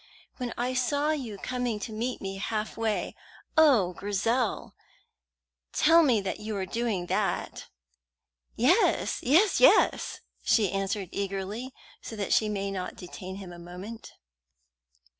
When I saw you coming to meet me half way oh, Grizel, tell me that you were doing that?" "Yes, yes, yes!" she answered eagerly, so that she might not detain him a moment.